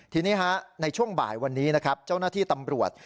ทีนี้ในช่วงบ่ายวันนี้นะครับเจ้าหน้าที่ตำรวจ